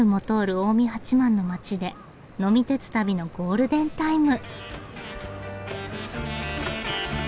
近江八幡の街で呑み鉄旅のゴールデンタイム。